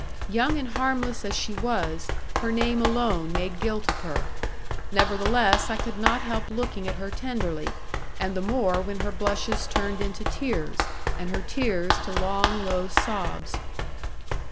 Young and harmless as she was, her name alone made guilt of her. Nevertheless I could not help looking at her tenderly, and the more when her blushes turned into tears, and her tears to long, low sobs.